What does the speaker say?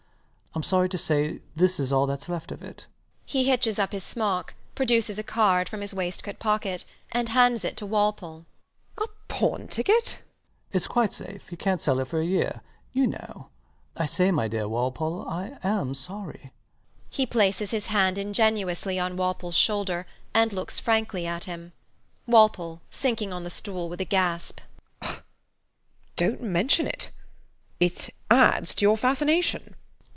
I'm sorry to say this is all thats left of it. [He hitches up his smock; produces a card from his waistcoat pocket; and hands it to Walpole]. WALPOLE. A pawn ticket! LOUIS [reassuringly] It's quite safe: he cant sell it for a year, you know. I say, my dear Walpole, I am sorry. [He places his hand ingenuously on Walpole's shoulder and looks frankly at him]. WALPOLE [sinking on the stool with a gasp] Dont mention it. It adds to your fascination.